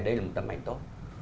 đây là một tấm ảnh tốt